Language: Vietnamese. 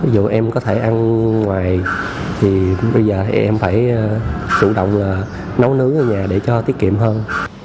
ví dụ em có thể ăn ngoài thì bây giờ em phải sủ động là nấu nướng ở nhà để cho tiết kiệm hơn